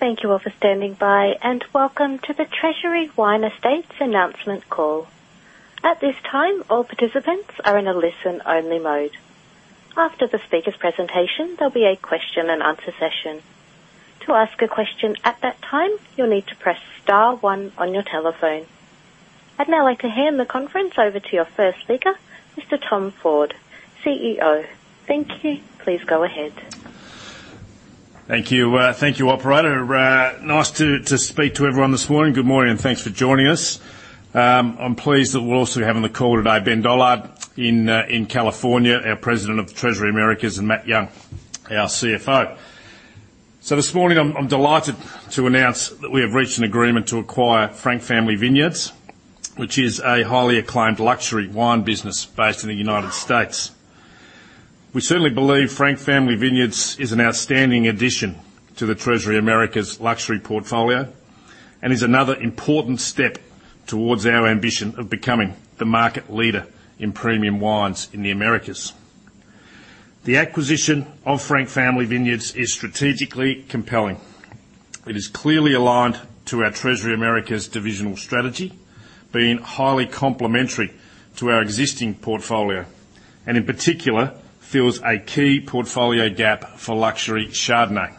Thank you all for standing by, and welcome to the Treasury Wine Estates Announcement Call. At this time, all participants are in a listen-only mode. After the speaker's presentation, there'll be a question-and-answer session. To ask a question at that time, you'll need to press star one on your telephone. I'd now like to hand the conference over to your first speaker, Mr. Tim Ford, CEO. Thank you. Please go ahead. Thank you. Thank you, Operator. Nice to speak to everyone this morning. Good morning, and thanks for joining us. I'm pleased that we're also having the call today, Ben Dollard in California, our President of Treasury Americas, and Matt Young, our CFO. So this morning, I'm delighted to announce that we have reached an agreement to acquire Frank Family Vineyards, which is a highly acclaimed luxury wine business based in the United States. We certainly believe Frank Family Vineyards is an outstanding addition to the Treasury Americas luxury portfolio and is another important step towards our ambition of becoming the market leader in premium wines in the Americas. The acquisition of Frank Family Vineyards is strategically compelling. It is clearly aligned to our Treasury Americas divisional strategy, being highly complementary to our existing portfolio, and in particular, fills a key portfolio gap for luxury Chardonnay.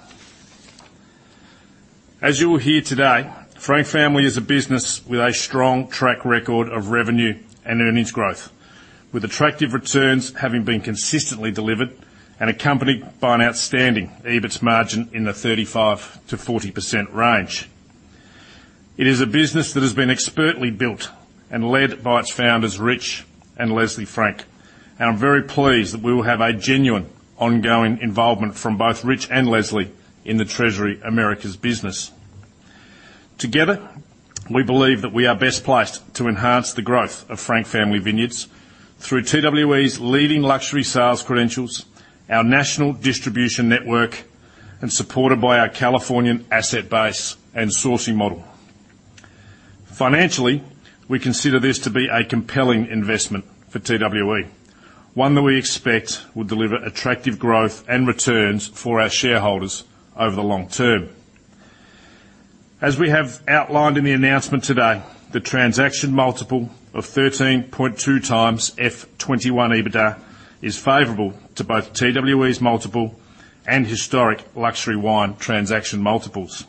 As you will hear today, Frank Family is a business with a strong track record of revenue and earnings growth, with attractive returns having been consistently delivered and accompanied by an outstanding EBITDA margin in the 35%-40% range. It is a business that has been expertly built and led by its founders, Rich and Leslie Frank, and I'm very pleased that we will have a genuine ongoing involvement from both Rich and Leslie in the Treasury Americas business. Together, we believe that we are best placed to enhance the growth of Frank Family Vineyards through TWE's leading luxury sales credentials, our national distribution network, and supported by our Californian asset base and sourcing model. Financially, we consider this to be a compelling investment for TWE, one that we expect will deliver attractive growth and returns for our shareholders over the long term. As we have outlined in the announcement today, the transaction multiple of 13.2x F21 EBITDA is favorable to both TWE's multiple and historic luxury wine transaction multiples.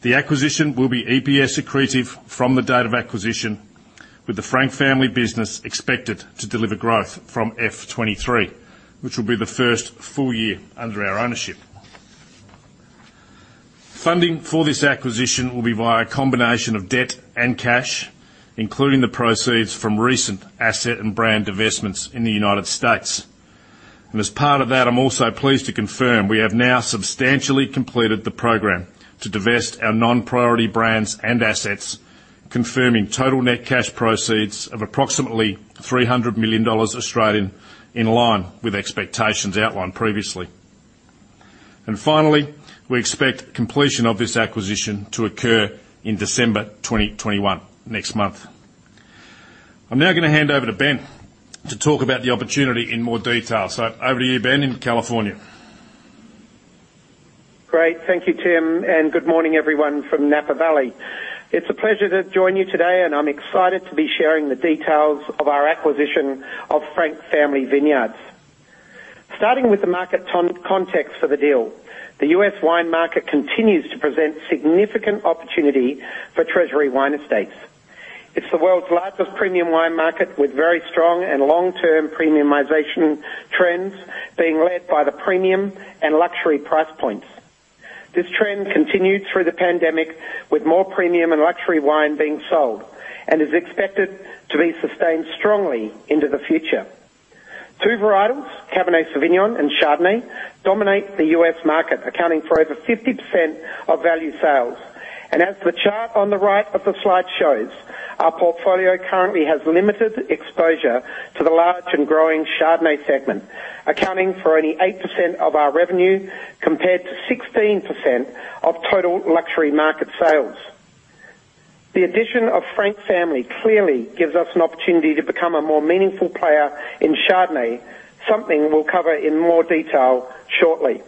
The acquisition will be EPS accretive from the date of acquisition, with the Frank Family business expected to deliver growth from F23, which will be the first full year under our ownership. Funding for this acquisition will be via a combination of debt and cash, including the proceeds from recent asset and brand divestments in the United States. And as part of that, I'm also pleased to confirm we have now substantially completed the program to divest our non-priority brands and assets, confirming total net cash proceeds of approximately 300 million Australian dollars in line with expectations outlined previously. And finally, we expect completion of this acquisition to occur in December 2021, next month. I'm now going to hand over to Ben to talk about the opportunity in more detail, so over to you, Ben, in California. Great. Thank you, Tim, and good morning, everyone from Napa Valley. It's a pleasure to join you today, and I'm excited to be sharing the details of our acquisition of Frank Family Vineyards. Starting with the market context for the deal, the U.S. wine market continues to present significant opportunity for Treasury Wine Estates. It's the world's largest premium wine market, with very strong and long-term premiumization trends being led by the premium and luxury price points. This trend continued through the pandemic, with more premium and luxury wine being sold and is expected to be sustained strongly into the future. Two varietals, Cabernet Sauvignon and Chardonnay, dominate the U.S. market, accounting for over 50% of value sales. And as the chart on the right of the slide shows, our portfolio currently has limited exposure to the large and growing Chardonnay segment, accounting for only 8% of our revenue compared to 16% of total luxury market sales. The addition of Frank Family clearly gives us an opportunity to become a more meaningful player in Chardonnay, something we'll cover in more detail shortly.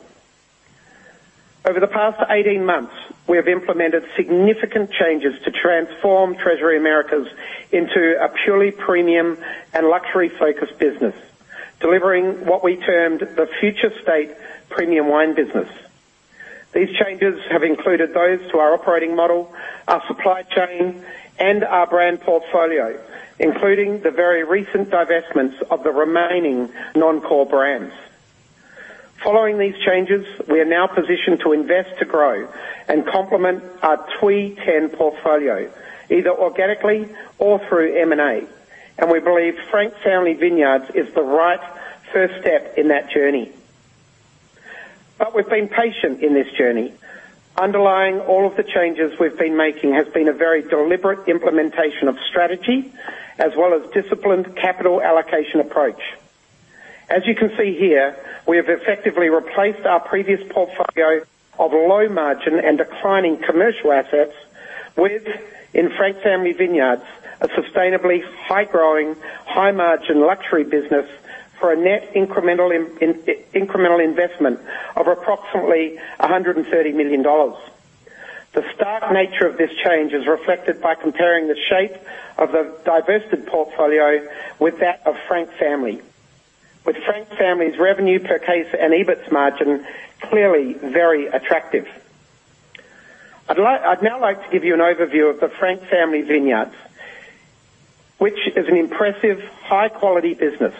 Over the past 18 months, we have implemented significant changes to transform Treasury Americas into a purely premium and luxury-focused business, delivering what we termed the future state premium wine business. These changes have included those to our operating model, our supply chain, and our brand portfolio, including the very recent divestments of the remaining non-core brands. Following these changes, we are now positioned to invest to grow and complement our TWE top 10 portfolio, either organically or through M&A, and we believe Frank Family Vineyards is the right first step in that journey. But we've been patient in this journey. Underlying all of the changes we've been making has been a very deliberate implementation of strategy as well as a disciplined capital allocation approach. As you can see here, we have effectively replaced our previous portfolio of low-margin and declining commercial assets with, in Frank Family Vineyards, a sustainably high-growth, high-margin luxury business for a net incremental investment of approximately $130 million. The stark nature of this change is reflected by comparing the shape of the divested portfolio with that of Frank Family, with Frank Family's revenue per case and EBITDA margin clearly very attractive. I'd now like to give you an overview of the Frank Family Vineyards, which is an impressive, high-quality business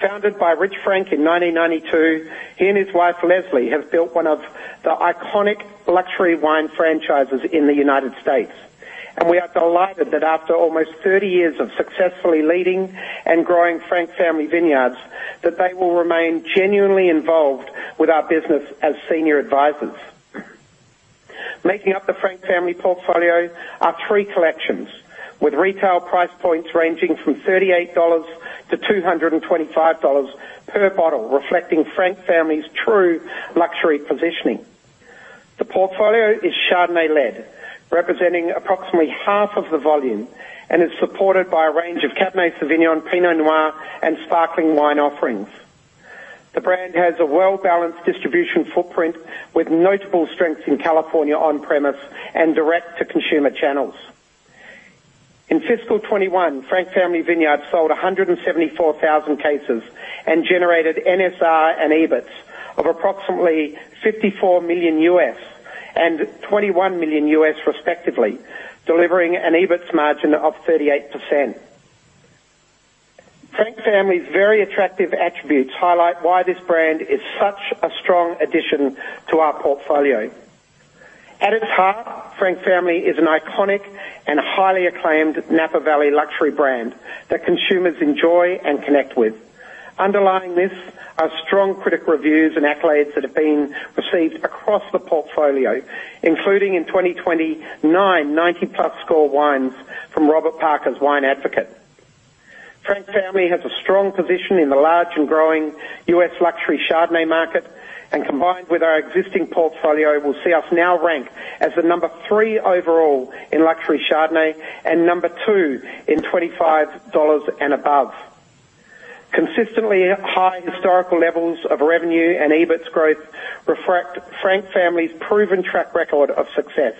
founded by Rich Frank in 1992. He and his wife, Leslie, have built one of the iconic luxury wine franchises in the United States, and we are delighted that after almost 30 years of successfully leading and growing Frank Family Vineyards, they will remain genuinely involved with our business as senior advisors. Making up the Frank Family portfolio are three collections, with retail price points ranging from $38-$225 per bottle, reflecting Frank Family's true luxury positioning. The portfolio is Chardonnay-led, representing approximately half of the volume, and is supported by a range of Cabernet Sauvignon, Pinot Noir, and sparkling wine offerings. The brand has a well-balanced distribution footprint with notable strengths in California on-premise and direct-to-consumer channels. In fiscal '21, Frank Family Vineyards sold 174,000 cases and generated NSR and EBITDA of approximately $54 million US and $21 million US, respectively, delivering an EBITDA margin of 38%. Frank Family's very attractive attributes highlight why this brand is such a strong addition to our portfolio. At its heart, Frank Family is an iconic and highly acclaimed Napa Valley luxury brand that consumers enjoy and connect with. Underlying this are strong critic reviews and accolades that have been received across the portfolio, including in 2020, nine 90+ score wines from Robert Parker's Wine Advocate. Frank Family has a strong position in the large and growing U.S. luxury Chardonnay market, and combined with our existing portfolio, will see us now rank as the number three overall in luxury Chardonnay and number two in $25 and above. Consistently high historical levels of revenue and EBITDA growth reflect Frank Family's proven track record of success,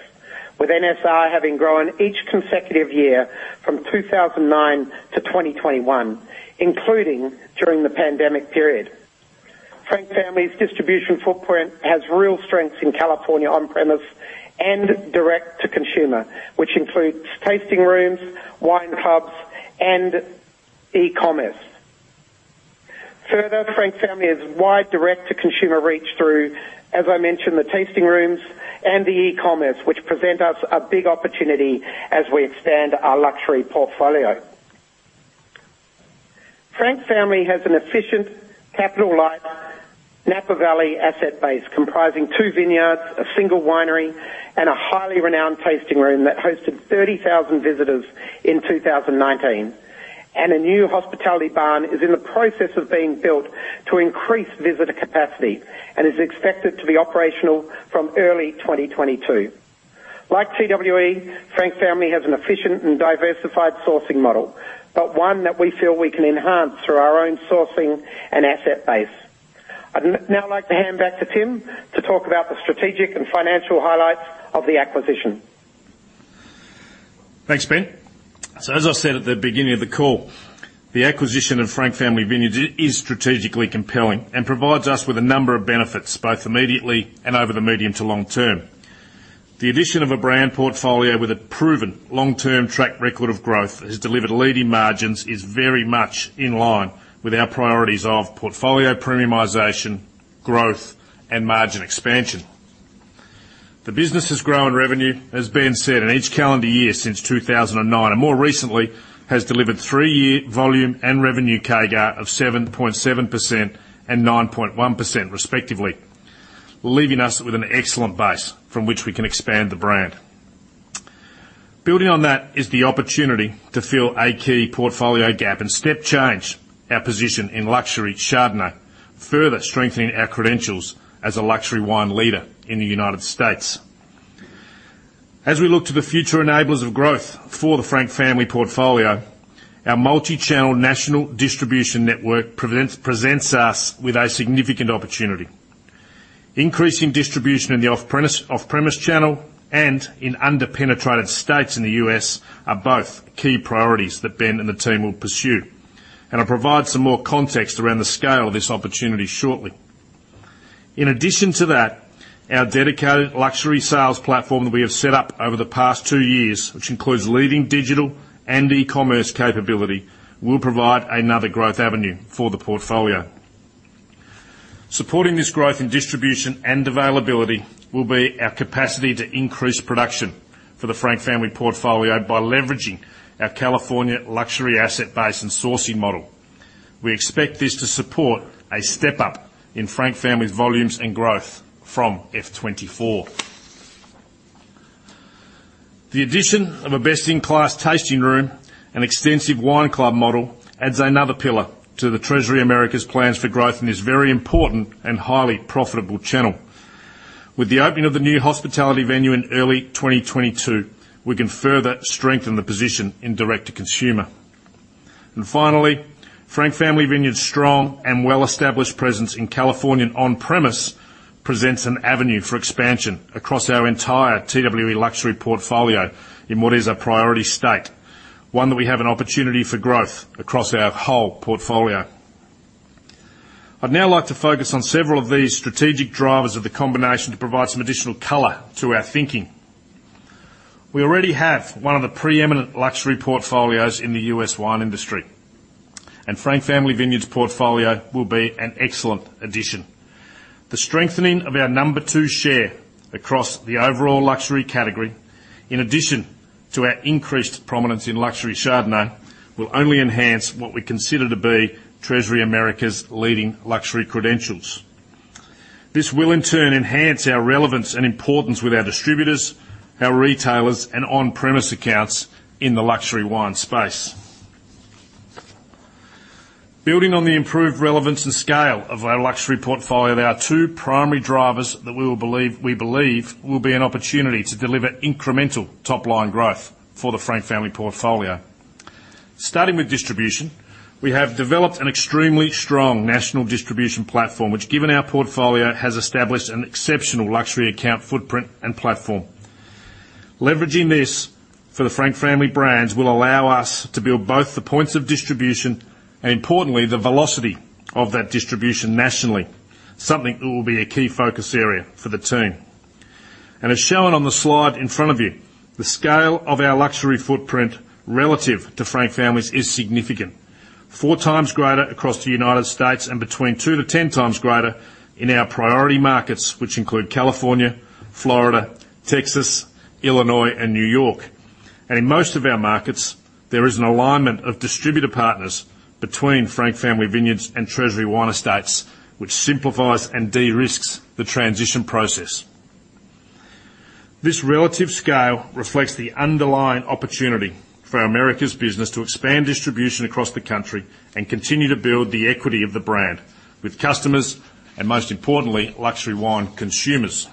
with NSR having grown each consecutive year from 2009 to 2021, including during the pandemic period. Frank Family's distribution footprint has real strengths in California on-premise and direct-to-consumer, which includes tasting rooms, wine clubs, and e-commerce. Further, Frank Family has wide direct-to-consumer reach through, as I mentioned, the tasting rooms and the e-commerce, which present us a big opportunity as we expand our luxury portfolio. Frank Family has an efficient capital-light Napa Valley asset base comprising two vineyards, a single winery, and a highly renowned tasting room that hosted 30,000 visitors in 2019, and a new hospitality barn is in the process of being built to increase visitor capacity and is expected to be operational from early 2022. Like TWE, Frank Family has an efficient and diversified sourcing model, but one that we feel we can enhance through our own sourcing and asset base. I'd now like to hand back to Tim to talk about the strategic and financial highlights of the acquisition. Thanks, Ben. So as I said at the beginning of the call, the acquisition of Frank Family Vineyards is strategically compelling and provides us with a number of benefits both immediately and over the medium to long term. The addition of a brand portfolio with a proven long-term track record of growth that has delivered leading margins is very much in line with our priorities of portfolio premiumization, growth, and margin expansion. The business has grown in revenue, as Ben said, in each calendar year since 2009, and more recently has delivered three-year volume and revenue CAGR of 7.7% and 9.1%, respectively, leaving us with an excellent base from which we can expand the brand. Building on that is the opportunity to fill a key portfolio gap and step change our position in luxury Chardonnay, further strengthening our credentials as a luxury wine leader in the United States. As we look to the future enablers of growth for the Frank Family portfolio, our multi-channel national distribution network presents us with a significant opportunity. Increasing distribution in the off-premise channel and in under-penetrated states in the U.S. are both key priorities that Ben and the team will pursue, and I'll provide some more context around the scale of this opportunity shortly. In addition to that, our dedicated luxury sales platform that we have set up over the past two years, which includes leading digital and e-commerce capability, will provide another growth avenue for the portfolio. Supporting this growth in distribution and availability will be our capacity to increase production for the Frank Family portfolio by leveraging our California luxury asset base and sourcing model. We expect this to support a step up in Frank Family's volumes and growth from F24. The addition of a best-in-class tasting room and extensive wine club model adds another pillar to the Treasury Americas' plans for growth in this very important and highly profitable channel. With the opening of the new hospitality venue in early 2022, we can further strengthen the position in direct-to-consumer. And finally, Frank Family Vineyards' strong and well-established presence in California on-premise presents an avenue for expansion across our entire TWE luxury portfolio in what is a priority state, one that we have an opportunity for growth across our whole portfolio. I'd now like to focus on several of these strategic drivers of the combination to provide some additional color to our thinking. We already have one of the preeminent luxury portfolios in the U.S. wine industry, and Frank Family Vineyards' portfolio will be an excellent addition. The strengthening of our number two share across the overall luxury category, in addition to our increased prominence in luxury Chardonnay, will only enhance what we consider to be Treasury Americas' leading luxury credentials. This will, in turn, enhance our relevance and importance with our distributors, our retailers, and on-premise accounts in the luxury wine space. Building on the improved relevance and scale of our luxury portfolio, there are two primary drivers that we believe will be an opportunity to deliver incremental top-line growth for the Frank Family portfolio. Starting with distribution, we have developed an extremely strong national distribution platform, which, given our portfolio, has established an exceptional luxury account footprint and platform. Leveraging this for the Frank Family brands will allow us to build both the points of distribution and, importantly, the velocity of that distribution nationally, something that will be a key focus area for the team. And as shown on the slide in front of you, the scale of our luxury footprint relative to Frank Family's is significant: 4x greater across the United States and between 2-10x greater in our priority markets, which include California, Florida, Texas, Illinois, and New York. And in most of our markets, there is an alignment of distributor partners between Frank Family Vineyards and Treasury Wine Estates, which simplifies and de-risks the transition process. This relative scale reflects the underlying opportunity for America's business to expand distribution across the country and continue to build the equity of the brand with customers and, most importantly, luxury wine consumers.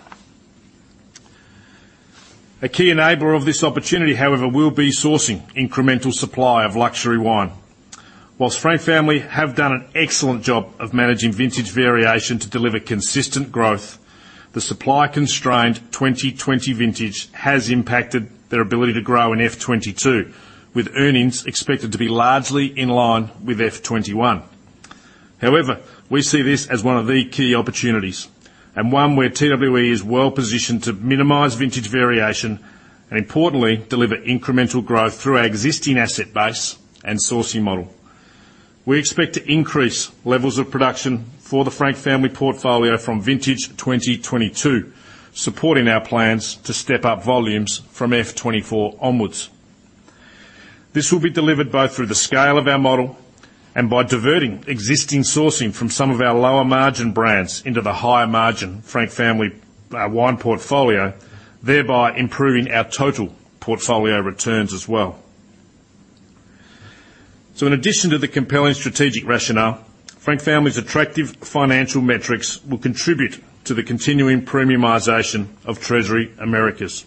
A key enabler of this opportunity, however, will be sourcing incremental supply of luxury wine. While Frank Family have done an excellent job of managing vintage variation to deliver consistent growth, the supply-constrained 2020 vintage has impacted their ability to grow in F22, with earnings expected to be largely in line with F21. However, we see this as one of the key opportunities and one where TWE is well-positioned to minimize vintage variation and, importantly, deliver incremental growth through our existing asset base and sourcing model. We expect to increase levels of production for the Frank Family portfolio from vintage 2022, supporting our plans to step up volumes from F24 onwards. This will be delivered both through the scale of our model and by diverting existing sourcing from some of our lower-margin brands into the higher-margin Frank Family wine portfolio, thereby improving our total portfolio returns as well. In addition to the compelling strategic rationale, Frank Family's attractive financial metrics will contribute to the continuing premiumization of Treasury Americas.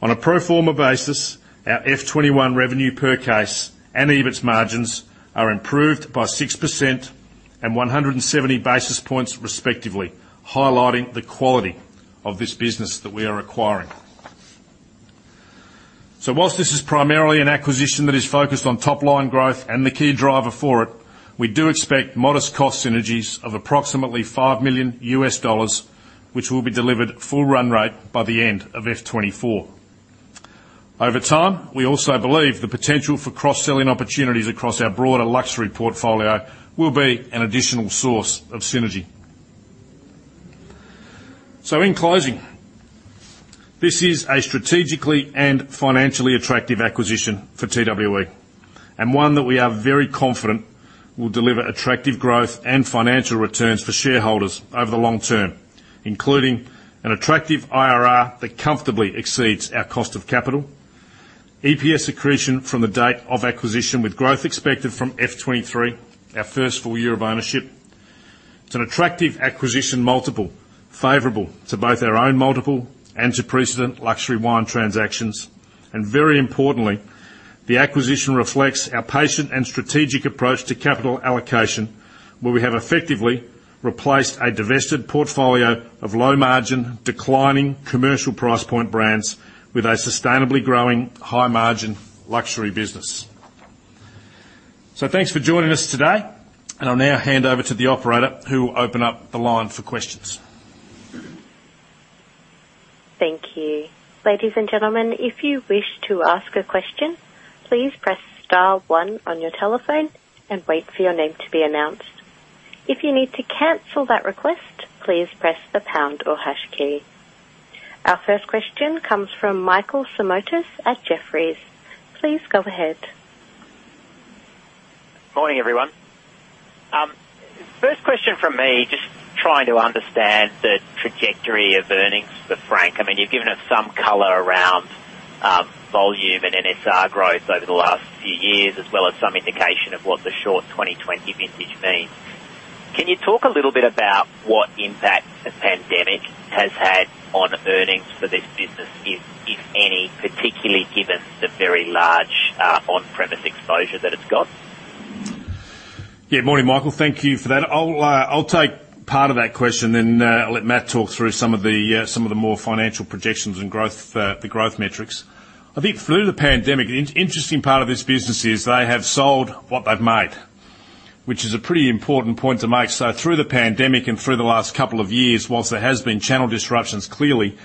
On a pro forma basis, our F21 revenue per case and EBITDA margins are improved by 6% and 170 basis points, respectively, highlighting the quality of this business that we are acquiring. While this is primarily an acquisition that is focused on top-line growth and the key driver for it, we do expect modest cost synergies of approximately $5 million, which will be delivered full-run rate by the end of F24. Over time, we also believe the potential for cross-selling opportunities across our broader luxury portfolio will be an additional source of synergy. So, in closing, this is a strategically and financially attractive acquisition for TWE and one that we are very confident will deliver attractive growth and financial returns for shareholders over the long term, including an attractive IRR that comfortably exceeds our cost of capital, EPS accretion from the date of acquisition, with growth expected from F23, our first full year of ownership. It's an attractive acquisition multiple favorable to both our own multiple and to precedent luxury wine transactions, and very importantly, the acquisition reflects our patient and strategic approach to capital allocation, where we have effectively replaced a divested portfolio of low-margin, declining commercial price point brands with a sustainably growing high-margin luxury business, so thanks for joining us today, and I'll now hand over to the operator who will open up the line for questions. Thank you. Ladies and gentlemen, if you wish to ask a question, please press star one on your telephone and wait for your name to be announced. If you need to cancel that request, please press the pound or hash key. Our first question comes from Michael Simotas at Jefferies. Please go ahead. Morning, everyone. First question from me, just trying to understand the trajectory of earnings for Frank. I mean, you've given us some color around volume and NSR growth over the last few years, as well as some indication of what the short 2020 vintage means. Can you talk a little bit about what impact the pandemic has had on earnings for this business, if any, particularly given the very large on-premise exposure that it's got? Yeah, morning, Michael. Thank you for that. I'll take part of that question, then I'll let Matt talk through some of the more financial projections and the growth metrics. I think through the pandemic, the interesting part of this business is they have sold what they've made, which is a pretty important point to make. So, through the pandemic and through the last couple of years, whilst there have been channel disruptions, clearly,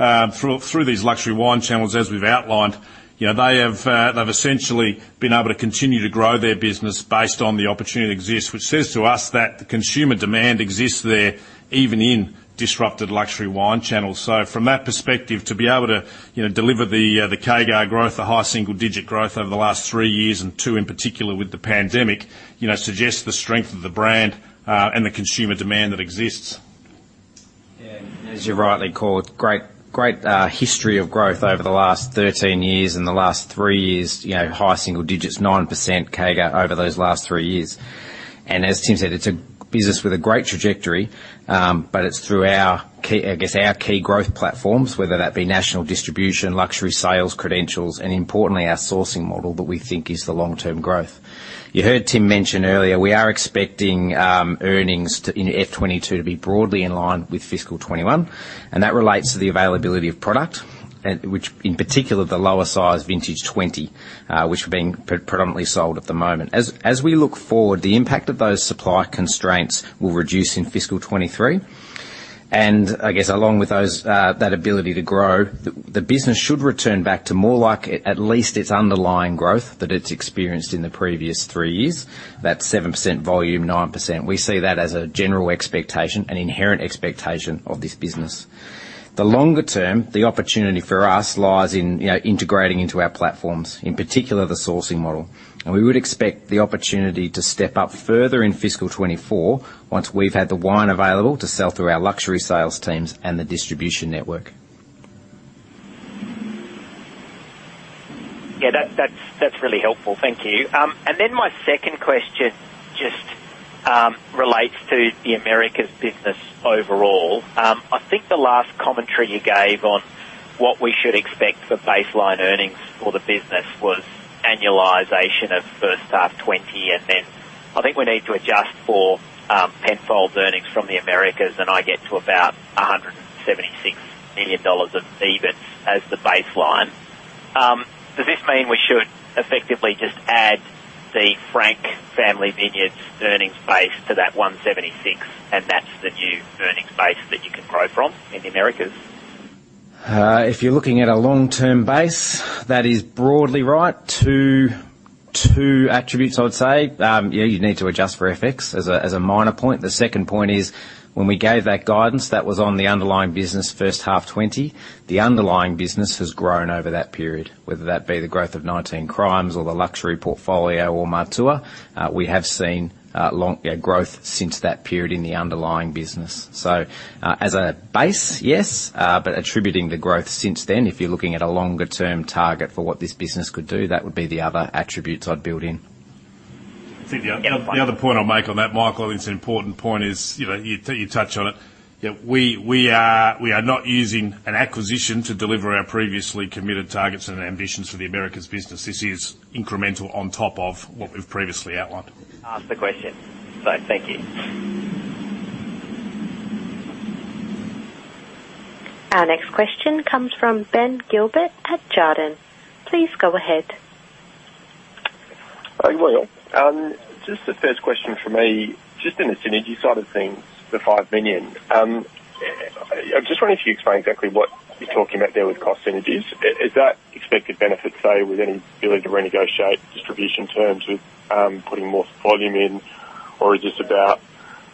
through these luxury wine channels, as we've outlined, they've essentially been able to continue to grow their business based on the opportunity that exists, which says to us that the consumer demand exists there even in disrupted luxury wine channels. So, from that perspective, to be able to deliver the CAGR growth, the high single-digit growth over the last three years, and two in particular with the pandemic, suggests the strength of the brand and the consumer demand that exists. As you're rightly called, great history of growth over the last 13 years and the last three years, high single digits, 9% CAGR over those last three years. As Tim said, it's a business with a great trajectory, but it's through, I guess, our key growth platforms, whether that be national distribution, luxury sales credentials, and, importantly, our sourcing model that we think is the long-term growth. You heard Tim mention earlier, we are expecting earnings in F22 to be broadly in line with fiscal 2021, and that relates to the availability of product, which, in particular, the lower-sized vintage 2020, which are being predominantly sold at the moment. As we look forward, the impact of those supply constraints will reduce in fiscal 2023. And I guess, along with that ability to grow, the business should return back to more like at least its underlying growth that it's experienced in the previous three years, that 7% volume, 9%. We see that as a general expectation, an inherent expectation of this business. The longer term, the opportunity for us lies in integrating into our platforms, in particular, the sourcing model. And we would expect the opportunity to step up further in fiscal 2024 once we've had the wine available to sell through our luxury sales teams and the distribution network. Yeah, that's really helpful. Thank you. And then my second question just relates to the Americas business overall. I think the last commentary you gave on what we should expect for baseline earnings for the business was annualization of first half 2020, and then I think we need to adjust for Penfolds' earnings from the Americas, and I get to about $176 million of EBIT as the baseline. Does this mean we should effectively just add the Frank Family Vineyards' earnings base to that 176, and that's the new earnings base that you can grow from in the Americas? If you're looking at a long-term base, that is broadly right. Two attributes, I would say. Yeah, you need to adjust for FX as a minor point. The second point is, when we gave that guidance that was on the underlying business first half 2020, the underlying business has grown over that period, whether that be the growth of 19 Crimes or the luxury portfolio or Matua. We have seen growth since that period in the underlying business. So, as a base, yes, but attributing the growth since then, if you're looking at a longer-term target for what this business could do, that would be the other attributes I'd build in. The other point I'll make on that, Michael, and it's an important point, is you touch on it. We are not using an acquisition to deliver our previously committed targets and ambitions for the Americas business. This is incremental on top of what we've previously outlined. Asked the question. So, thank you. Our next question comes from Ben Gilbert at Jarden. Please go ahead. Hi, Will. Just the first question for me, just in the synergy side of things, the five million. I'm just wondering if you could explain exactly what you're talking about there with cost synergies. Is that expected benefit, say, with any ability to renegotiate distribution terms with putting more volume in, or is this about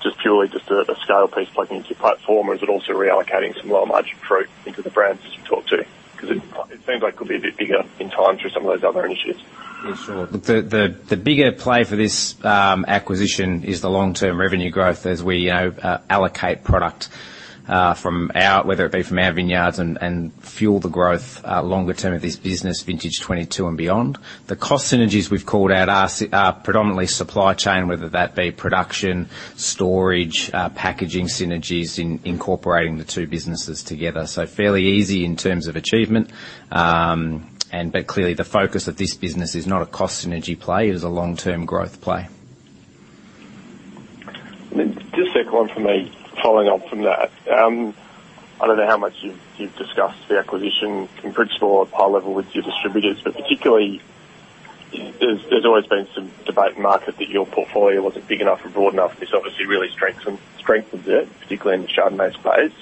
just purely a scale piece plugged into your platform, or is it also reallocating some lower-margin fruit into the brands that you talk to? Because it seems like it could be a bit bigger in time through some of those other initiatives. Yeah, sure. The bigger play for this acquisition is the long-term revenue growth as we allocate product, whether it be from our vineyards and fuel the growth longer term of this business, vintage 2022 and beyond. The cost synergies we've called out are predominantly supply chain, whether that be production, storage, packaging synergies, incorporating the two businesses together. So, fairly easy in terms of achievement, but clearly, the focus of this business is not a cost synergy play. It is a long-term growth play. Just a second one for me, following on from that. I don't know how much you've discussed the acquisition in principle or high level with your distributors, but particularly, there's always been some debate in the market that your portfolio wasn't big enough or broad enough. This obviously really strengthens it, particularly in the Chardonnay space.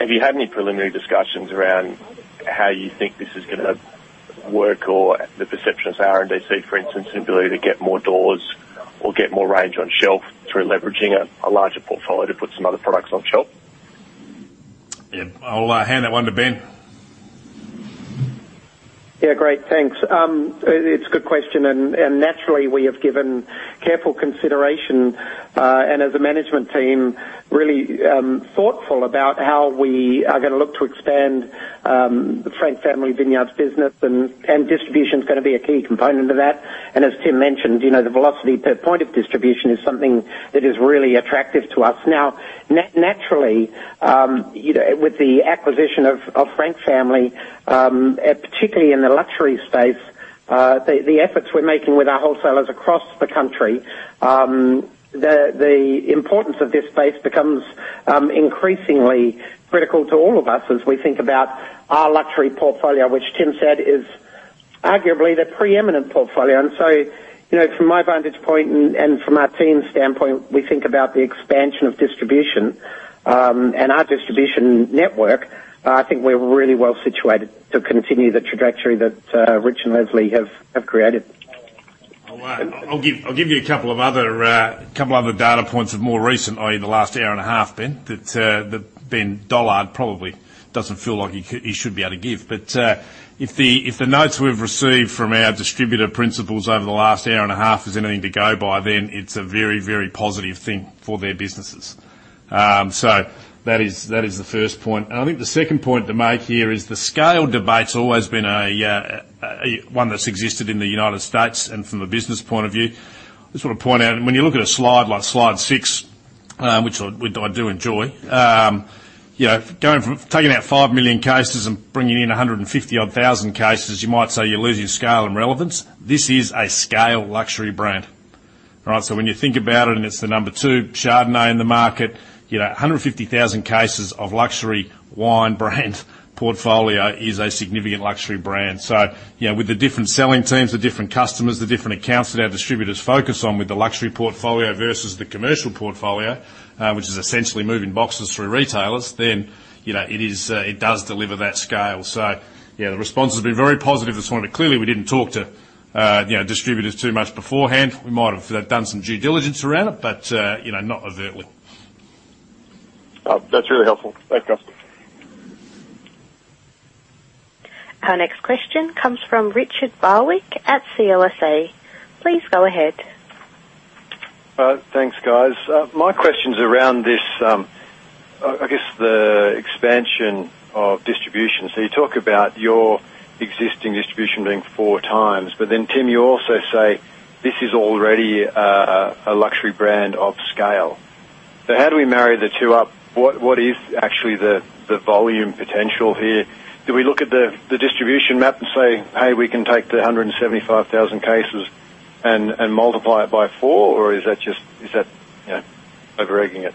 Have you had any preliminary discussions around how you think this is going to work or the perception of RNDC, for instance, and ability to get more doors or get more range on shelf through leveraging a larger portfolio to put some other products on shelf? Yeah, I'll hand that one to Ben. Yeah, great. Thanks. It's a good question, and naturally, we have given careful consideration and, as a management team, really thoughtful about how we are going to look to expand the Frank Family Vineyards business, and distribution is going to be a key component of that. And as Tim mentioned, the velocity per point of distribution is something that is really attractive to us. Now, naturally, with the acquisition of Frank Family, particularly in the luxury space, the efforts we're making with our wholesalers across the country, the importance of this space becomes increasingly critical to all of us as we think about our luxury portfolio, which Tim said is arguably the preeminent portfolio. And so, from my vantage point and from our team's standpoint, we think about the expansion of distribution and our distribution network. I think we're really well situated to continue the trajectory that Rich and Leslie have created. I'll give you a couple of other data points of more recent, i.e., the last hour and a half, Ben, that Ben Dollard probably doesn't feel like he should be able to give. But if the notes we've received from our distributor principals over the last hour and a half is anything to go by, then it's a very, very positive thing for their businesses. So that is the first point. And I think the second point to make here is the scale debate has always been one that's existed in the United States and from a business point of view. I just want to point out, when you look at a slide like slide six, which I do enjoy, taking out five million cases and bringing in 150-odd thousand cases, you might say you're losing scale and relevance. This is a scale luxury brand. All right? So, when you think about it, and it's the number two Chardonnay in the market, 150,000 cases of luxury wine brand portfolio is a significant luxury brand. With the different selling teams, the different customers, the different accounts that our distributors focus on with the luxury portfolio versus the commercial portfolio, which is essentially moving boxes through retailers, then it does deliver that scale. Yeah, the response has been very positive. I just want to be clear, we didn't talk to distributors too much beforehand. We might have done some due diligence around it, but not overtly. That's really helpful. Thank you. Our next question comes from Richard Barwick at CLSA. Please go ahead. Thanks, guys. My question's around this, I guess, the expansion of distribution. So you talk about your existing distribution being 4x, but then Tim, you also say this is already a luxury brand of scale. So how do we marry the two up? What is actually the volume potential here? Do we look at the distribution map and say, "Hey, we can take the 175,000 cases and multiply it by four," or is that just over-egging it?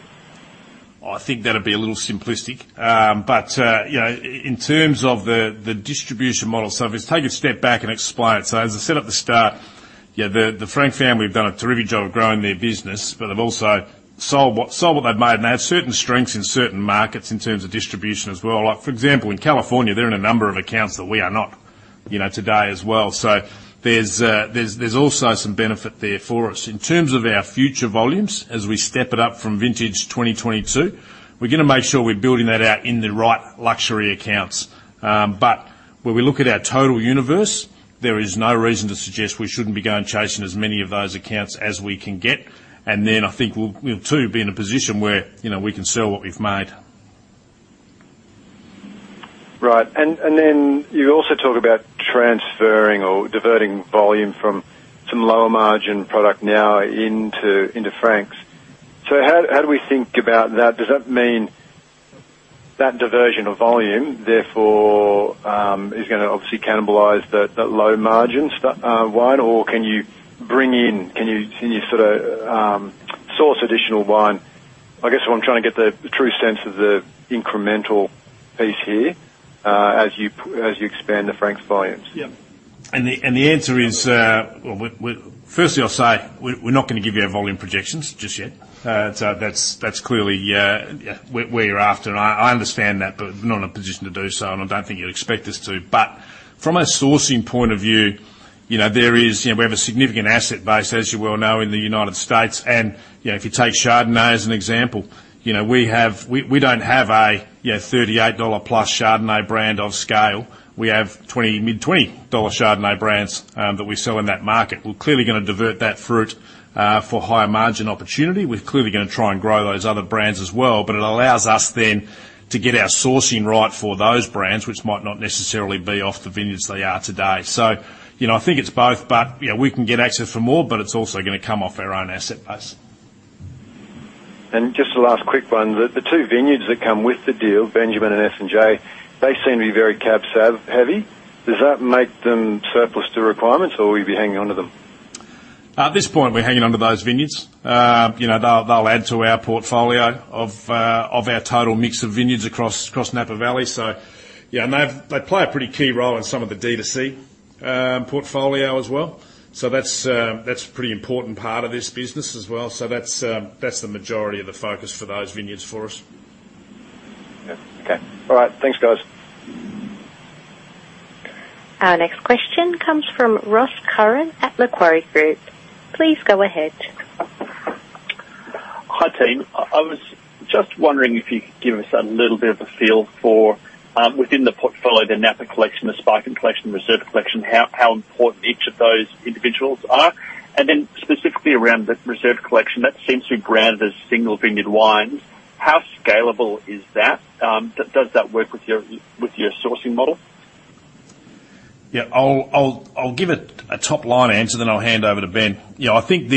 I think that'd be a little simplistic. But in terms of the distribution model, so if we take a step back and explain it. So as I said at the start, yeah, the Frank Family have done a terrific job of growing their business, but they've also sold what they've made, and they have certain strengths in certain markets in terms of distribution as well. For example, in California, they're in a number of accounts that we are not today as well. So there's also some benefit there for us. In terms of our future volumes, as we step it up from vintage 2022, we're going to make sure we're building that out in the right luxury accounts. But when we look at our total universe, there is no reason to suggest we shouldn't be going chasing as many of those accounts as we can get. And then I think we'll, too, be in a position where we can sell what we've made. Right. And then you also talk about transferring or diverting volume from some lower-margin product now into Frank's. So how do we think about that? Does that mean that diversion of volume, therefore, is going to obviously cannibalize that low-margin wine, or can you bring in, can you sort of source additional wine? I guess what I'm trying to get the true sense of the incremental piece here as you expand the Frank's volumes. Yeah. And the answer is, well, firstly, I'll say we're not going to give you our volume projections just yet. That's clearly where you're after, and I understand that, but we're not in a position to do so, and I don't think you'd expect us to. But from a sourcing point of view, there, we have a significant asset base, as you well know, in the United States. And if you take Chardonnay as an example, we don't have a $38+ Chardonnay brand of scale. We have mid-$20 Chardonnay brands that we sell in that market. We're clearly going to divert that fruit for higher margin opportunity. We're clearly going to try and grow those other brands as well, but it allows us then to get our sourcing right for those brands, which might not necessarily be off the vineyards they are today. So I think it's both, but we can get access for more, but it's also going to come off our own asset base. And just a last quick one. The two vineyards that come with the deal, Benjamin and S&J, they seem to be very cabs-heavy. Does that make them surplus to requirements, or will you be hanging on to them? At this point, we're hanging on to those vineyards. They'll add to our portfolio of our total mix of vineyards across Napa Valley, so yeah, and they play a pretty key role in some of the D2C portfolio as well, so that's a pretty important part of this business as well, so that's the majority of the focus for those vineyards for us. Yeah. Okay. All right. Thanks, guys. Our next question comes from Ross Curran at Macquarie Group. Please go ahead. Hi, Tim. I was just wondering if you could give us a little bit of a feel for, within the portfolio, the Napa Collection, the Sparkling Collection, the Reserve Collection, how important each of those individuals are. And then specifically around the Reserve Collection, that seems to be branded as single-vineyard wines. How scalable is that? Does that work with your sourcing model? Yeah. I'll give a top-line answer, then I'll hand over to Ben. I think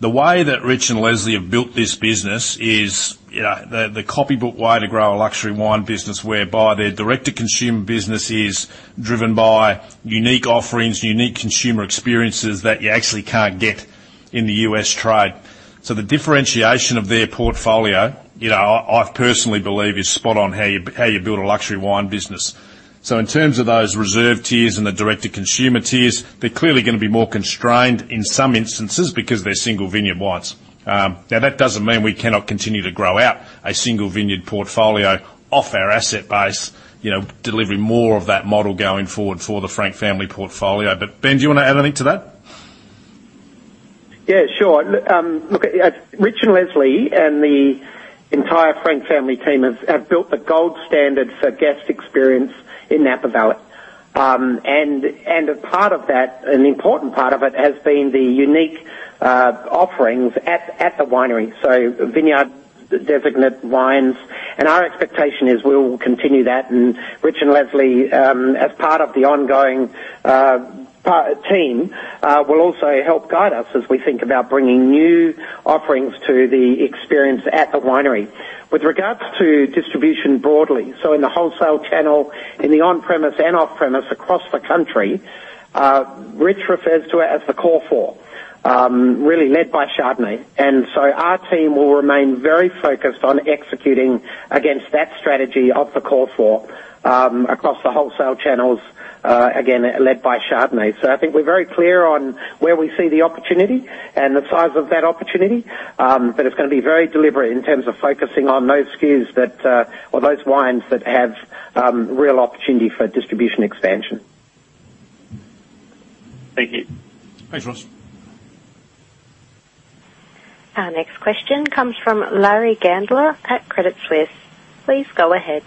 the way that Rich and Leslie have built this business is the copybook way to grow a luxury wine business whereby their direct-to-consumer business is driven by unique offerings, unique consumer experiences that you actually can't get in the U.S. trade. So the differentiation of their portfolio, I personally believe, is spot on how you build a luxury wine business. So in terms of those reserve tiers and the direct-to-consumer tiers, they're clearly going to be more constrained in some instances because they're single-vineyard wines. Now, that doesn't mean we cannot continue to grow out a single-vineyard portfolio off our asset base, delivering more of that model going forward for the Frank Family portfolio. But Ben, do you want to add anything to that? Yeah, sure. Look, Rich and Leslie and the entire Frank Family team have built the gold standard for guest experience in Napa Valley. And a part of that, an important part of it, has been the unique offerings at the winery. So vineyard designate wines. And our expectation is we'll continue that. And Rich and Leslie, as part of the ongoing team, will also help guide us as we think about bringing new offerings to the experience at the winery. With regards to distribution broadly, so in the wholesale channel, in the on-premise and off-premise across the country, Rich refers to it as the core four, really led by Chardonnay. And so our team will remain very focused on executing against that strategy of the core four across the wholesale channels, again, led by Chardonnay. So I think we're very clear on where we see the opportunity and the size of that opportunity, but it's going to be very deliberate in terms of focusing on those SKUs or those wines that have real opportunity for distribution expansion. Thank you. Thanks, Ross. Our next question comes from Larry Gandler at Credit Suisse. Please go ahead.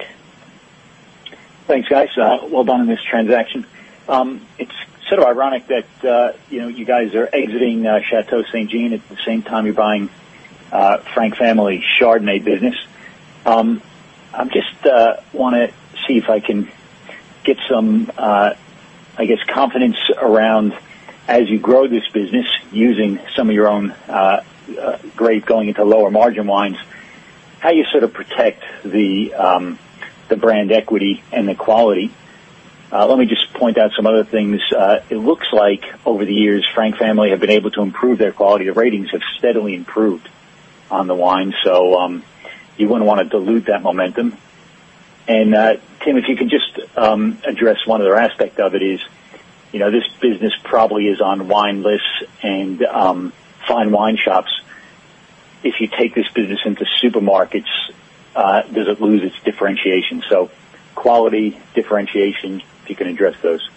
Thanks, guys. Well done on this transaction. It's sort of ironic that you guys are exiting Chateau St. Jean at the same time you're buying Frank Family Vineyards business. I just want to see if I can get some, I guess, confidence around, as you grow this business using some of your own grape going into lower-margin wines, how you sort of protect the brand equity and the quality. Let me just point out some other things. It looks like, over the years, Frank Family Vineyards have been able to improve their quality. The ratings have steadily improved on the wines, so you wouldn't want to dilute that momentum. Tim, if you can just address one other aspect of it, this business probably is on wine lists and fine wine shops. If you take this business into supermarkets, does it lose its differentiation? So quality differentiation, if you can address those.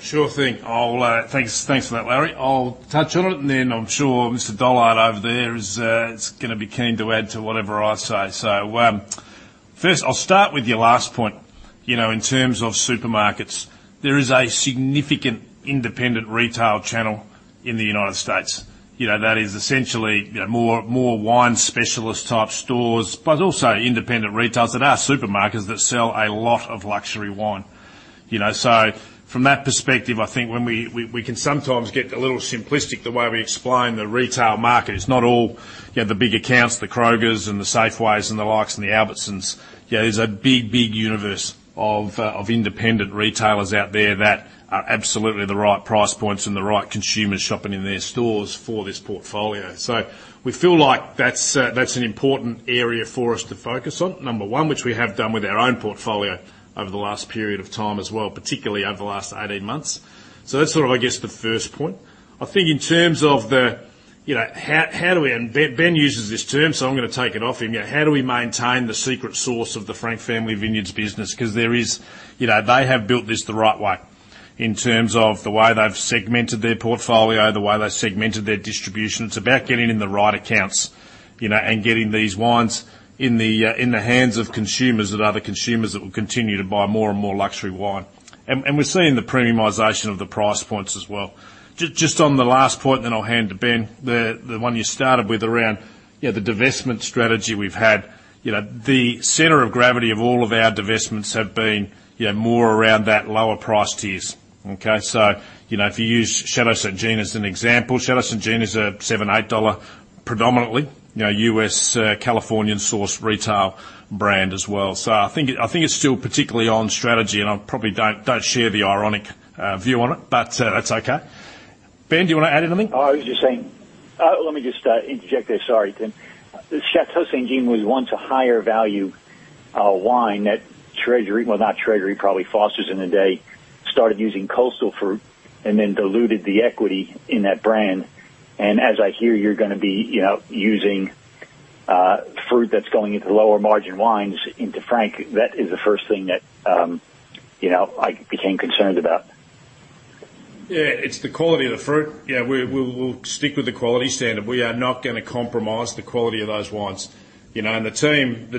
Sure thing. Thanks for that, Larry. I'll touch on it, and then I'm sure Mr. Dollard over there is going to be keen to add to whatever I say. So first, I'll start with your last point. In terms of supermarkets, there is a significant independent retail channel in the United States. That is essentially more wine specialist-type stores, but also independent retailers that are supermarkets that sell a lot of luxury wine. So from that perspective, I think we can sometimes get a little simplistic the way we explain the retail market. It's not all the big accounts, the Kroger's and the Safeway's and the likes and the Albertsons. There's a big, big universe of independent retailers out there that are absolutely the right price points and the right consumers shopping in their stores for this portfolio. So we feel like that's an important area for us to focus on, number one, which we have done with our own portfolio over the last period of time as well, particularly over the last 18 months. So that's sort of, I guess, the first point. I think in terms of, how do we (and Ben uses this term, so I'm going to take it off him) how do we maintain the secret sauce of the Frank Family Vineyards business? Because there, they have built this the right way in terms of the way they've segmented their portfolio, the way they've segmented their distribution. It's about getting in the right accounts and getting these wines in the hands of consumers that are the consumers that will continue to buy more and more luxury wine. And we're seeing the premiumization of the price points as well. Just on the last point, then I'll hand to Ben, the one you started with around the divestment strategy we've had. The center of gravity of all of our divestments have been more around that lower price tiers. Okay? So if you use Chateau St. Jean as an example, Chateau St. Jean is a $7-$8 predominantly U.S., Californian-sourced retail brand as well. So I think it's still particularly on strategy, and I probably don't share the ironic view on it, but that's okay. Ben, do you want to add anything? Hi, I was just saying, let me just interject there. Sorry, Tim. Chateau St. Jean was once a higher-value wine that Treasury, well, not Treasury, probably Foster's back in the day, started using coastal fruit and then diluted the equity in that brand, and as I hear, you're going to be using fruit that's going into lower-margin wines into Frank. That is the first thing that I became concerned about. Yeah. It's the quality of the fruit. Yeah. We'll stick with the quality standard. We are not going to compromise the quality of those wines, and the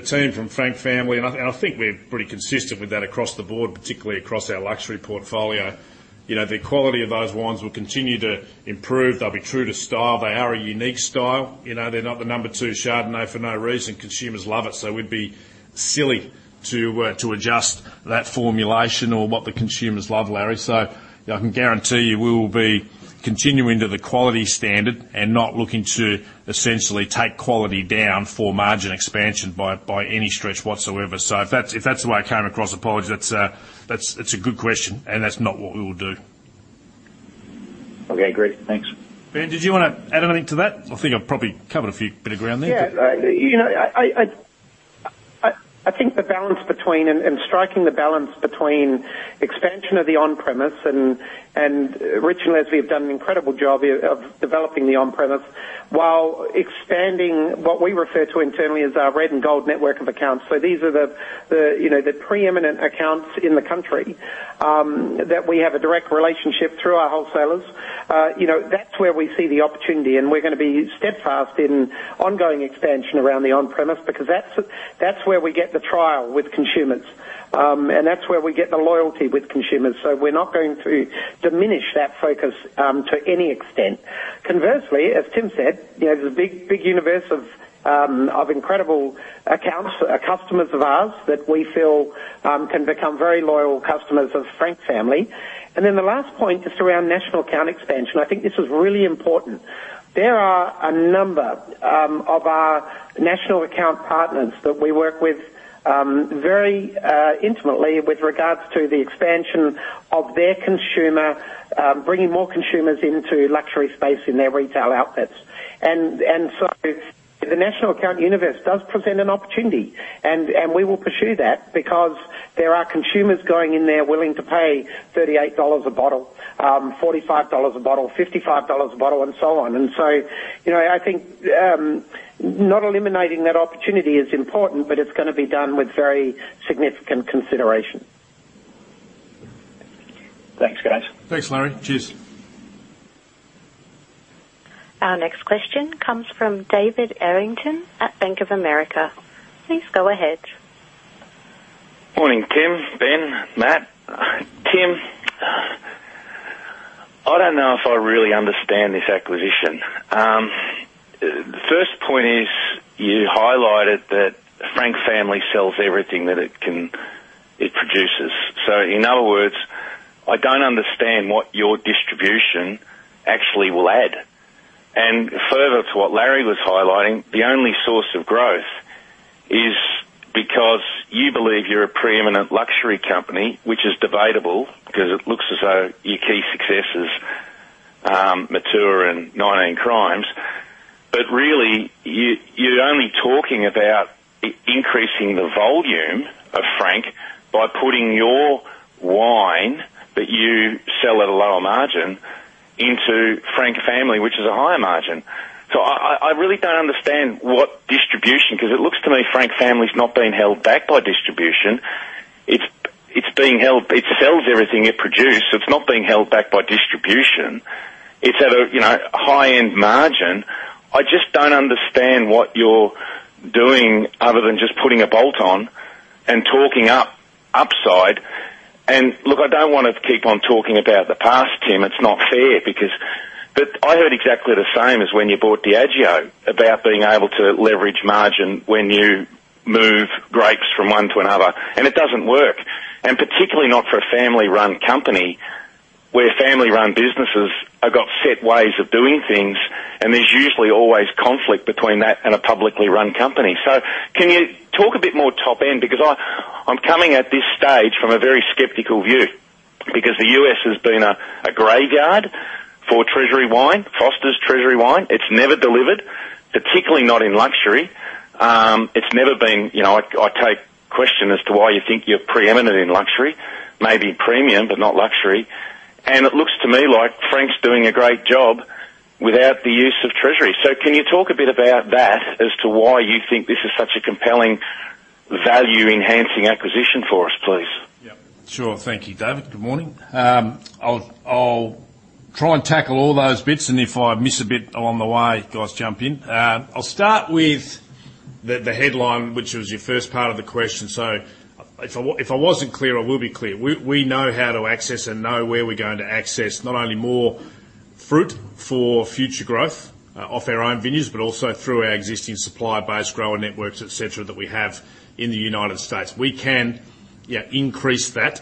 team from Frank Family, and I think we're pretty consistent with that across the board, particularly across our luxury portfolio, the quality of those wines will continue to improve. They'll be true to style. They are a unique style. They're not the number two Chardonnay for no reason. Consumers love it, so it would be silly to adjust that formulation or what the consumers love, Larry. So I can guarantee you we will be continuing to the quality standard and not looking to essentially take quality down for margin expansion by any stretch whatsoever, so if that's the way I came across, apologies. That's a good question, and that's not what we will do. Okay. Great. Thanks. Ben, did you want to add anything to that? I think I've probably covered a fair bit of ground there. Yeah. I think striking the balance between expansion of the on-premise and Rich and Leslie have done an incredible job of developing the on-premise while expanding what we refer to internally as our red and gold network of accounts. So these are the preeminent accounts in the country that we have a direct relationship through our wholesalers. That's where we see the opportunity, and we're going to be steadfast in ongoing expansion around the on-premise because that's where we get the trial with consumers, and that's where we get the loyalty with consumers. So we're not going to diminish that focus to any extent. Conversely, as Tim said, there's a big universe of incredible accounts, customers of ours that we feel can become very loyal customers of Frank Family. And then the last point is around national account expansion. I think this is really important. There are a number of our national account partners that we work very intimately with regards to the expansion of their consumer, bringing more consumers into luxury space in their retail outlets. And so the national account universe does present an opportunity, and we will pursue that because there are consumers going in there willing to pay $38 a bottle, $45 a bottle, $55 a bottle, and so on. And so I think not eliminating that opportunity is important, but it's going to be done with very significant consideration. Thanks, guys. Thanks, Larry. Cheers. Our next question comes from David Errington at Bank of America. Please go ahead. Morning, Tim, Ben, Matt. Tim, I don't know if I really understand this acquisition. The first point is you highlighted that Frank Family sells everything that it produces. So in other words, I don't understand what your distribution actually will add. Further to what Larry was highlighting, the only source of growth is because you believe you're a preeminent luxury company, which is debatable because it looks as though your key success is Matua and 19 Crimes. Really, you're only talking about increasing the volume of Frank by putting your wine that you sell at a lower margin into Frank Family, which is a higher margin. I really don't understand what distribution because it looks to me Frank Family's not being held back by distribution. It sells everything it produced. It's not being held back by distribution. It's at a high-end margin. I just don't understand what you're doing other than just putting a bolt on and talking upside. And look, I don't want to keep on talking about the past, Tim. It's not fair because I heard exactly the same as when you bought Diageo about being able to leverage margin when you move grapes from one to another. And it doesn't work, and particularly not for a family-run company where family-run businesses have got set ways of doing things, and there's usually always conflict between that and a publicly run company. So can you talk a bit more top end? Because I'm coming at this stage from a very skeptical view because the U.S. has been a graveyard for Treasury Wine, Foster's Treasury Wine. It's never delivered, particularly not in luxury. It's never been. I question as to why you think you're preeminent in luxury, maybe premium but not luxury. It looks to me like Frank's doing a great job without the use of Treasury. Can you talk a bit about that as to why you think this is such a compelling value-enhancing acquisition for us, please? Yeah. Sure. Thank you, David. Good morning. I'll try and tackle all those bits, and if I miss a bit along the way, you guys jump in. I'll start with the headline, which was your first part of the question. So if I wasn't clear, I will be clear. We know how to access and know where we're going to access not only more fruit for future growth off our own vineyards, but also through our existing supply-based grower networks, etc., that we have in the United States. We can increase that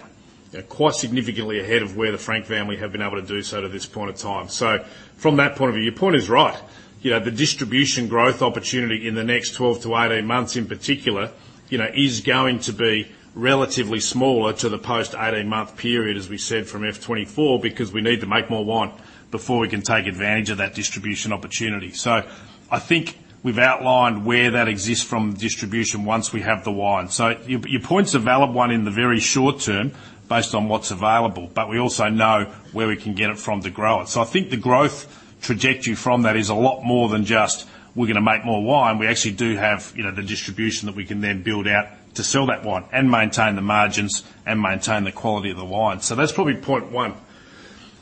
quite significantly ahead of where the Frank Family have been able to do so to this point of time. So from that point of view, your point is right. The distribution growth opportunity in the next 12-18 months in particular is going to be relatively smaller to the post-18-month period, as we said, from F24 because we need to make more wine before we can take advantage of that distribution opportunity. So I think we've outlined where that exists from distribution once we have the wine. So your point's a valid one in the very short term based on what's available, but we also know where we can get it from to grow it. So I think the growth trajectory from that is a lot more than just, "We're going to make more wine." We actually do have the distribution that we can then build out to sell that wine and maintain the margins and maintain the quality of the wine. So that's probably point one.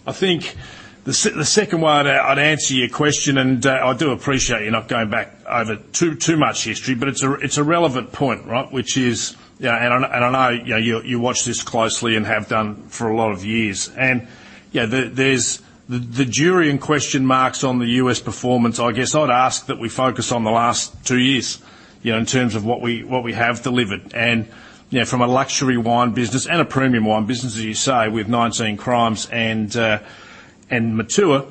I think the second way I'd answer your question, and I do appreciate you not going back over too much history, but it's a relevant point, right, which is, and I know you watch this closely and have done for a lot of years. And the jury's in question marks on the U.S. performance, I guess I'd ask that we focus on the last two years in terms of what we have delivered. And from a luxury wine business and a premium wine business, as you say, with 19 Crimes and Matua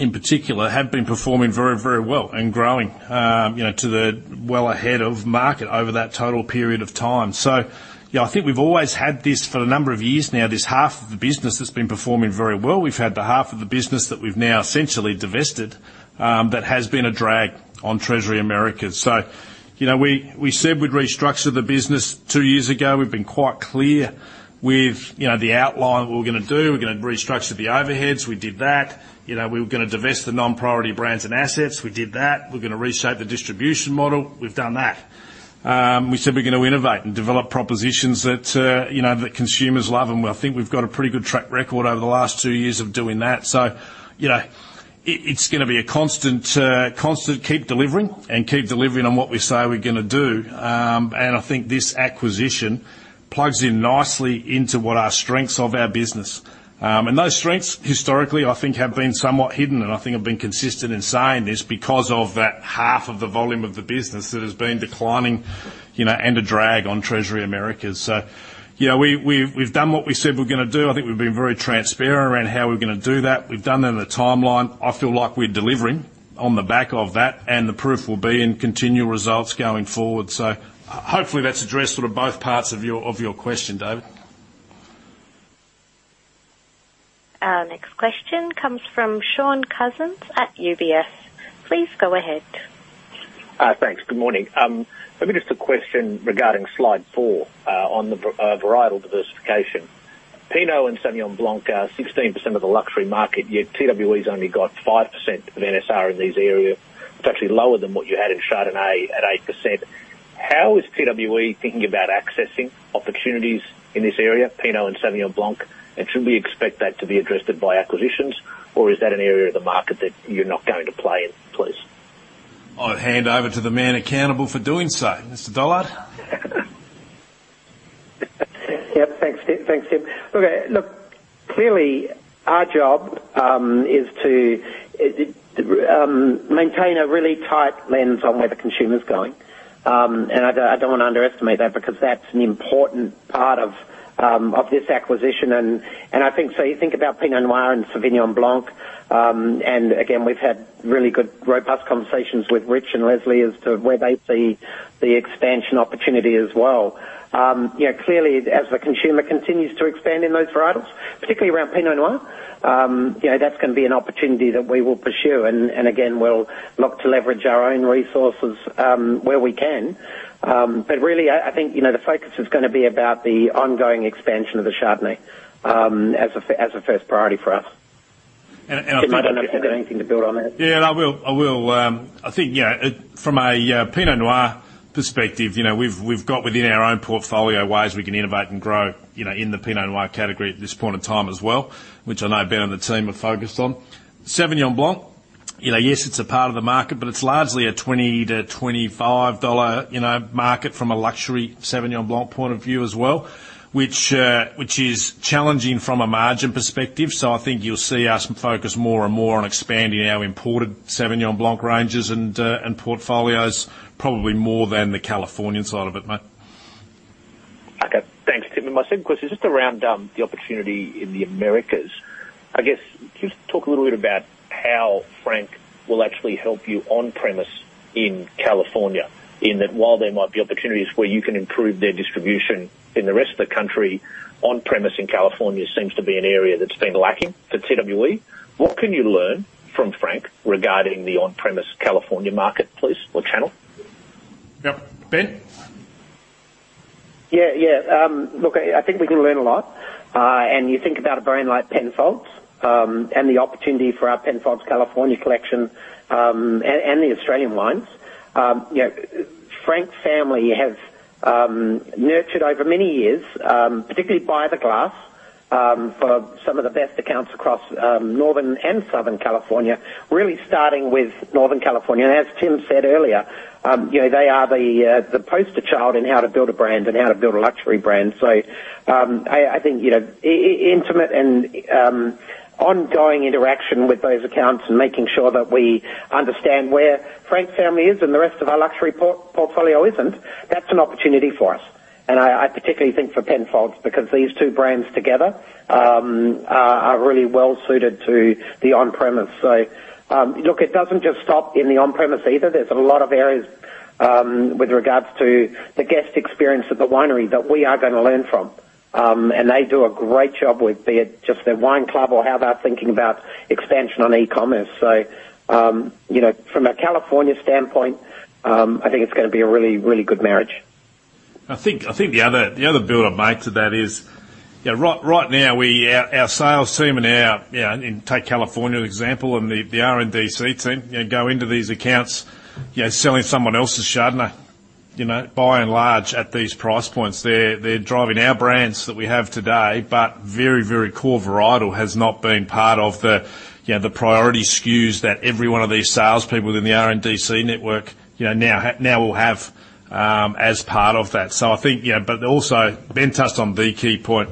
in particular have been performing very, very well and growing too well ahead of market over that total period of time. So I think we've always had this for a number of years now, this half of the business that's been performing very well. We've had the half of the business that we've now essentially divested that has been a drag on Treasury Americas. So we said we'd restructure the business two years ago. We've been quite clear with the outline that we're going to do. We're going to restructure the overheads. We did that. We were going to divest the non-priority brands and assets. We did that. We're going to reshape the distribution model. We've done that. We said we're going to innovate and develop propositions that consumers love. And I think we've got a pretty good track record over the last two years of doing that. So it's going to be a constant keep delivering and keep delivering on what we say we're going to do. And I think this acquisition plugs in nicely into what our strengths of our business. And those strengths, historically, I think have been somewhat hidden, and I think I've been consistent in saying this because of that half of the volume of the business that has been declining and a drag on Treasury Americas. So we've done what we said we're going to do. I think we've been very transparent around how we're going to do that. We've done it in the timeline. I feel like we're delivering on the back of that, and the proof will be in continual results going forward. So hopefully, that's addressed sort of both parts of your question, David. Our next question comes from Shaun Cousins at UBS. Please go ahead. Thanks. Good morning. Maybe just a question regarding slide four on the varietal diversification. Pinot Noir and Sauvignon Blanc are 16% of the luxury market. TWE's only got 5% of NSR in these areas. It's actually lower than what you had in Chardonnay at 8%. How is TWE thinking about accessing opportunities in this area, Pinot Noir and Sauvignon Blanc? And should we expect that to be addressed by acquisitions, or is that an area of the market that you're not going to play in, please? I'll hand over to the man accountable for doing so. Mr. Dollard. Yep. Thanks, Tim. Thanks, Tim. Okay. Look, clearly, our job is to maintain a really tight lens on where the consumer's going. I don't want to underestimate that because that's an important part of this acquisition, and so you think about Pinot Noir and Sauvignon Blanc, and again, we've had really good, robust conversations with Rich and Leslie as to where they see the expansion opportunity as well. Clearly, as the consumer continues to expand in those varietals, particularly around Pinot Noir, that's going to be an opportunity that we will pursue, and again, we'll look to leverage our own resources where we can, but really, I think the focus is going to be about the ongoing expansion of the Chardonnay as a first priority for us. I think. I don't know if you've got anything to build on that. Yeah. I will. I think from a Pinot Noir perspective, we've got within our own portfolio ways we can innovate and grow in the Pinot Noir category at this point in time as well, which I know Ben and the team have focused on. Sauvignon Blanc, yes, it's a part of the market, but it's largely a $20-$25 market from a luxury Sauvignon Blanc point of view as well, which is challenging from a margin perspective. So I think you'll see us focus more and more on expanding our imported Sauvignon Blanc ranges and portfolios, probably more than the Californian side of it, mate. Okay. Thanks, Tim. My second question is just around the opportunity in the Americas. I guess just talk a little bit about how Frank will actually help you on-premise in California, in that while there might be opportunities where you can improve their distribution in the rest of the country, on-premise in California seems to be an area that's been lacking for TWE. What can you learn from Frank regarding the on-premise California market, please, or channel? Yep. Ben? Yeah. Yeah. Look, I think we can learn a lot, and you think about a brand like Penfolds and the opportunity for our Penfolds California collection and the Australian wines. Frank Family has nurtured over many years, particularly by the glass, for some of the best accounts across northern and southern California, really starting with northern California, and as Tim said earlier, they are the poster child in how to build a brand and how to build a luxury brand. So I think intimate and ongoing interaction with those accounts and making sure that we understand where Frank Family is and the rest of our luxury portfolio isn't, that's an opportunity for us, and I particularly think for Penfolds because these two brands together are really well-suited to the on-premise. So look, it doesn't just stop in the on-premise either. There's a lot of areas with regards to the guest experience at the winery that we are going to learn from, and they do a great job with be it just their wine club or how they're thinking about expansion on e-commerce, so from a California standpoint, I think it's going to be a really, really good marriage. I think the other build-up to that is right now, our sales team in, take California as an example, and the RNDC team go into these accounts selling someone else's Chardonnay. By and large, at these price points, they're driving our brands that we have today, but very, very core varietal has not been part of the priority SKUs that every one of these salespeople in the RNDC network now will have as part of that. So I think, but also Ben touched on the key point.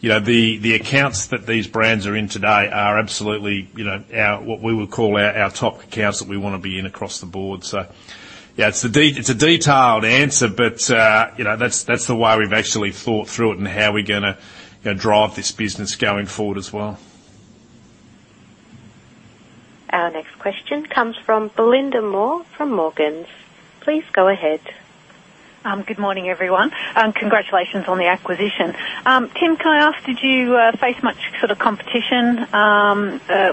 The accounts that these brands are in today are absolutely what we would call our top accounts that we want to be in across the board. Yeah, it's a detailed answer, but that's the way we've actually thought through it and how we're going to drive this business going forward as well. Our next question comes from Belinda Moore from Morgans. Please go ahead. Good morning, everyone. Congratulations on the acquisition. Tim, can I ask, did you face much sort of competition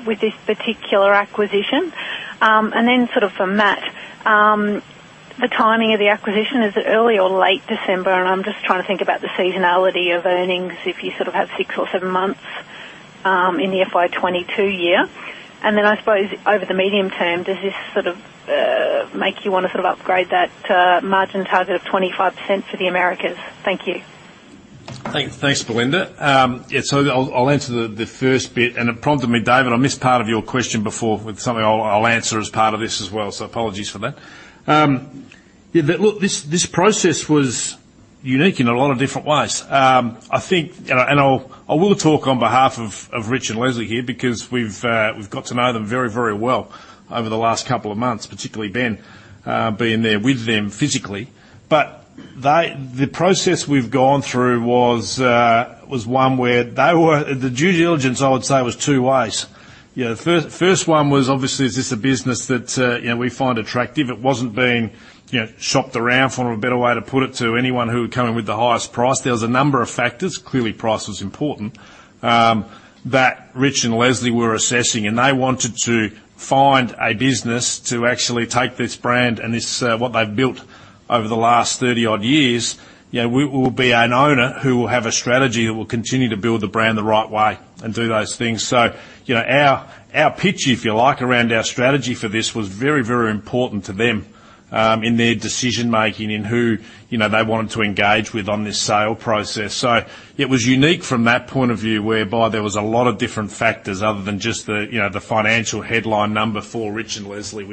with this particular acquisition? And then sort of for Matt, the timing of the acquisition, is it early or late December? And I'm just trying to think about the seasonality of earnings if you sort of have six or seven months in the FY22 year. And then I suppose over the medium term, does this sort of make you want to sort of upgrade that margin target of 25% for the Americas? Thank you. Thanks, Belinda. Yeah. So I'll answer the first bit, and it prompted me, David, on this part of your question before with something I'll answer as part of this as well. So apologies for that. Yeah. Look, this process was unique in a lot of different ways. I think, and I will talk on behalf of Rich and Leslie here because we've got to know them very, very well over the last couple of months, particularly Ben being there with them physically. But the process we've gone through was one where the due diligence, I would say, was two ways. The first one was, obviously, is this a business that we find attractive? It wasn't being shopped around for, a better way to put it, to anyone who would come in with the highest price. There was a number of factors. Clearly, price was important. That Rich and Leslie were assessing, and they wanted to find a business to actually take this brand and what they've built over the last 30-odd years will be an owner who will have a strategy that will continue to build the brand the right way and do those things, so our pitch, if you like, around our strategy for this was very, very important to them in their decision-making in who they wanted to engage with on this sale process, so it was unique from that point of view whereby there was a lot of different factors other than just the financial headline number for Rich and Leslie,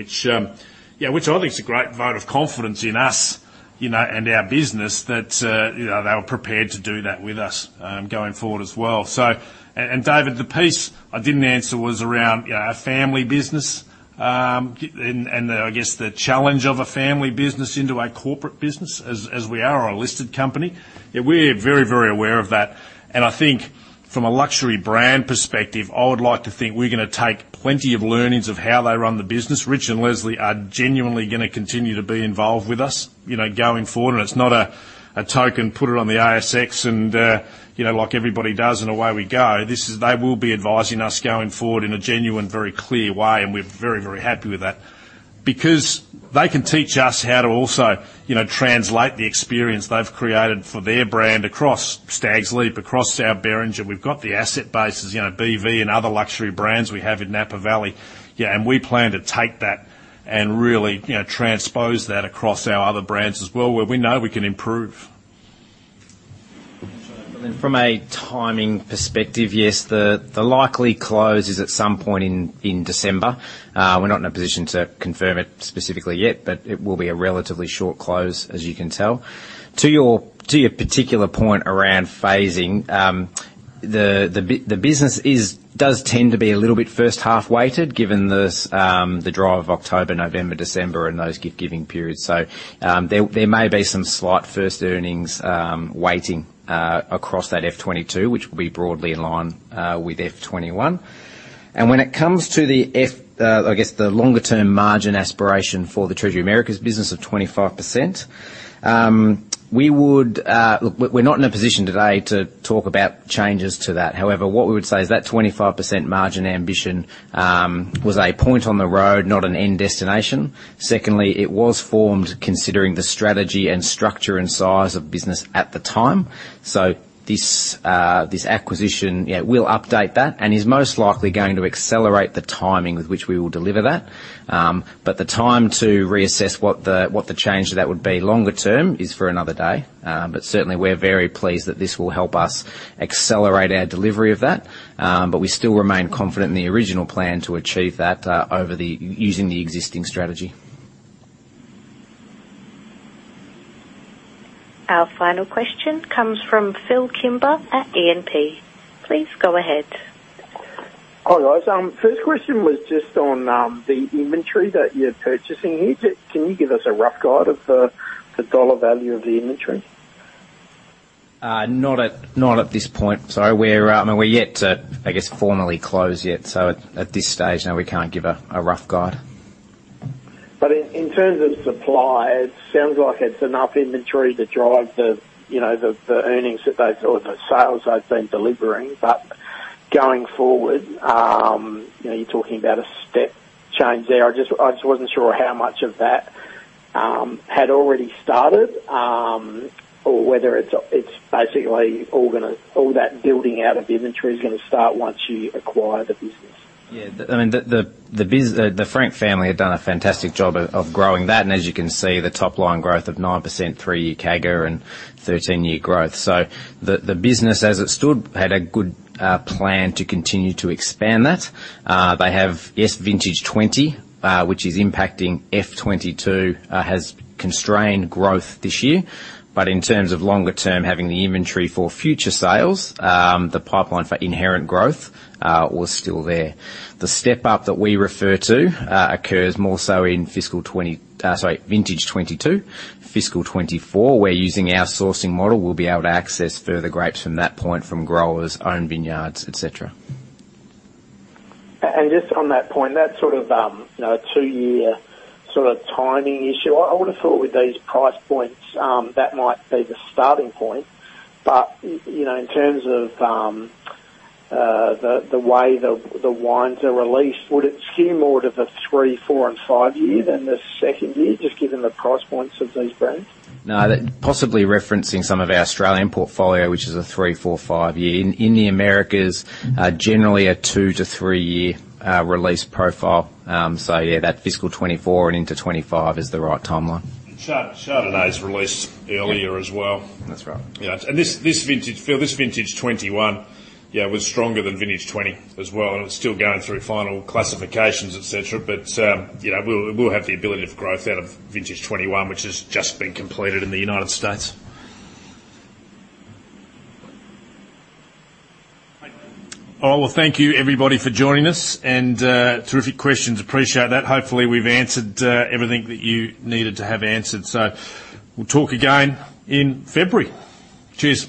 which I think is a great vote of confidence in us and our business that they were prepared to do that with us going forward as well. David, the piece I didn't answer was around a family business and I guess the challenge of a family business into a corporate business as we are a listed company. Yeah. We're very, very aware of that. I think from a luxury brand perspective, I would like to think we're going to take plenty of learnings of how they run the business. Rich and Leslie are genuinely going to continue to be involved with us going forward. It's not a token, put it on the ASX, and like everybody does and away we go. They will be advising us going forward in a genuine, very clear way, and we're very, very happy with that because they can teach us how to also translate the experience they've created for their brand across Stags' Leap, across our Beringer. We've got the asset base as BV and other luxury brands we have in Napa Valley. Yeah, and we plan to take that and really transpose that across our other brands as well where we know we can improve. From a timing perspective, yes, the likely close is at some point in December. We're not in a position to confirm it specifically yet, but it will be a relatively short close, as you can tell. To your particular point around phasing, the business does tend to be a little bit first half weighted given the drive of October, November, December, and those gift-giving periods. So there may be some slight first earnings weighting across that F22, which will be broadly in line with F21. And when it comes to the, I guess, the longer-term margin aspiration for the Treasury Americas business of 25%, we would look, we're not in a position today to talk about changes to that. However, what we would say is that 25% margin ambition was a point on the road, not an end destination. Secondly, it was formed considering the strategy and structure and size of business at the time. So this acquisition, yeah, we'll update that and is most likely going to accelerate the timing with which we will deliver that. But the time to reassess what the change to that would be longer term is for another day. But certainly, we're very pleased that this will help us accelerate our delivery of that. But we still remain confident in the original plan to achieve that using the existing strategy. Our final question comes from Phil Kimber at E&P. Please go ahead. Hi, guys. First question was just on the inventory that you're purchasing here. Can you give us a rough guide of the dollar value of the inventory? Not at this point. So I mean, we're yet to, I guess, formally close yet. So at this stage, no, we can't give a rough guide. But in terms of supply, it sounds like it's enough inventory to drive the earnings that they've or the sales they've been delivering. But going forward, you're talking about a step change there. I just wasn't sure how much of that had already started or whether it's basically all that building out of inventory is going to start once you acquire the business. Yeah. I mean, the Frank Family had done a fantastic job of growing that, and as you can see, the top line growth of 9%, 3-year CAGR, and 13-year growth, so the business, as it stood, had a good plan to continue to expand that. They have vintage 2020, which is impacting F22, has constrained growth this year, but in terms of longer-term having the inventory for future sales, the pipeline for inherent growth was still there. The step-up that we refer to occurs more so in fiscal 2020 sorry, vintage 2022, fiscal 2024, where using our sourcing model, we'll be able to access further grapes from that point from growers, own vineyards, etc. Just on that point, that sort of two-year sort of timing issue, I would have thought with these price points, that might be the starting point. But in terms of the way the wines are released, would it skew more to the three, four, and five-year than the second year, just given the price points of these brands? No, possibly referencing some of our Australian portfolio, which is a three-, four-, five-year. In the Americas, generally a two- to three-year release profile. So yeah, that fiscal 2024 and into 2025 is the right timeline. Shout out to those released earlier as well. That's right. Yeah, and this Vintage 21, yeah, was stronger than Vintage 20 as well, and it's still going through final classifications, etc., but we'll have the ability to grow out of Vintage 21, which has just been completed in the United States. All right, well, thank you, everybody, for joining us and terrific questions. Appreciate that. Hopefully, we've answered everything that you needed to have answered, so we'll talk again in February. Cheers.